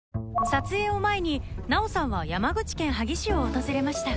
撮影を前に奈緒さんは山口県萩市を訪れました